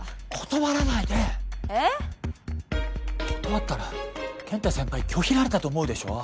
断ったら健太先輩拒否られたと思うでしょ